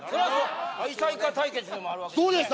愛妻家対決でもあるわけですね